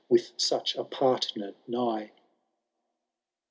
With such a partner nigh